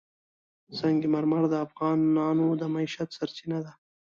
سنگ مرمر د افغانانو د معیشت سرچینه ده.